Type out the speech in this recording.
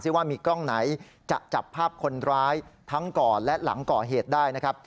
ว่ามีกล้องไหนจะจับภาพคนร้ายทั้งก่อนและหลังก่อเหตุได้นะครับ